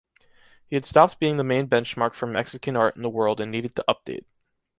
He had stopped being the main benchmark for Mexican art in the world and needed to update.